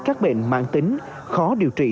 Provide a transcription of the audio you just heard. các bệnh mạng tính khó điều trị